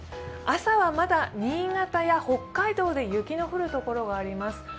朝はまだ新潟や北海道で雪の降るところがあります。